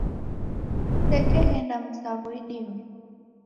Kusekeghenda mzaw'o idime.